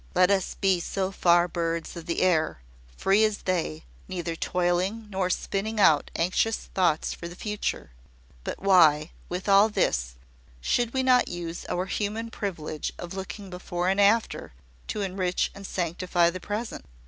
"Let us be so far birds of the air free as they, neither toiling nor spinning out anxious thoughts for the future: but why, with all this, should we not use our human privilege of looking before and after, to enrich and sanctify the present?